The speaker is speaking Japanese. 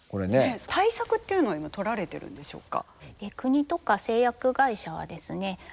対策っていうのは今とられてるんでしょうか？